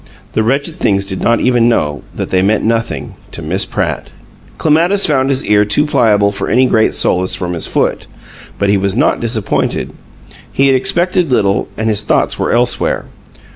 The wretched things did not even know that they meant nothing to Miss Pratt! Clematis found his ear too pliable for any great solace from his foot, but he was not disappointed; he had expected little, and his thoughts were elsewhere.